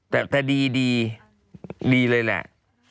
แต่พอดีดีเลยแหละ